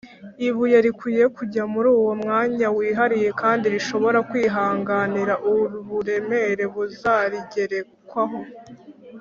ibuye rikwiye kujya muri uwo mwanya wihariye kandi rishobora kwihanganira uburemere buzarigerekwaho